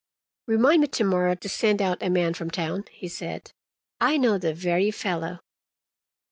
"Remind me to morrow to send out a man from town," he said. "I know the very fellow."